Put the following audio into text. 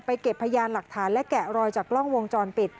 เก็บพยานหลักฐานและแกะรอยจากกล้องวงจรปิด